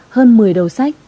hơn một mươi đầu sách